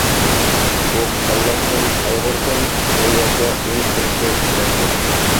ئۇ خۇشاللانسۇن، قايغۇرسۇن، بۇ يەرگە ئۈن-تىنسىز كېلەتتى.